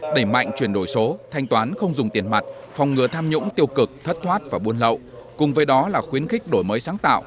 đẩy mạnh chuyển đổi số thanh toán không dùng tiền mặt phòng ngừa tham nhũng tiêu cực thất thoát và buôn lậu cùng với đó là khuyến khích đổi mới sáng tạo